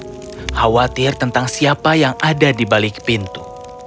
khawatir tentang siapa yang ada di balik pintu